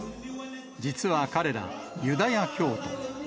実は彼ら、ユダヤ教徒。